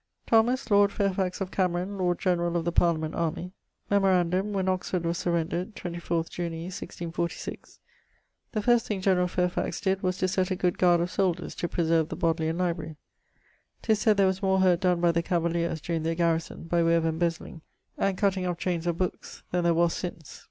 Thomas, lord Fairfax of Cameron, Lord Generall of the Parliament armie: Memorandum, when Oxford was surrendred (24º Junii 1646), the first thing generall Fairfax did was to sett a good guard of soldiers to preserve the Bodleian Library. 'Tis said there was more hurt donne by the cavaliers (during their garrison) by way of embezilling and cutting off chaines of bookes, then there was since.